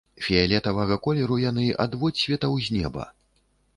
Фіялетавага колеру яны, ад водсветаў з неба.